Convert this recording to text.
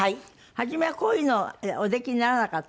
初めはこういうのおできにならなかったの？